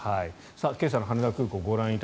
今朝の羽田空港です。